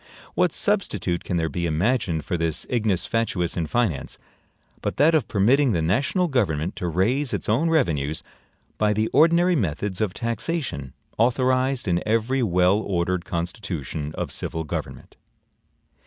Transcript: What substitute can there be imagined for this ignis fatuus in finance, but that of permitting the national government to raise its own revenues by the ordinary methods of taxation authorized in every well ordered constitution of civil government?